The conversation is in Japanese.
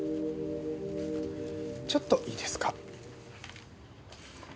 ちょっといいですか？